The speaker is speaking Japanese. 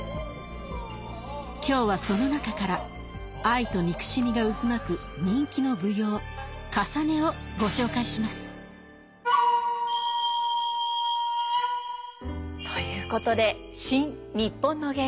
今日はその中から愛と憎しみが渦巻く人気の舞踊「かさね」をご紹介します。ということで「新・にっぽんの芸能」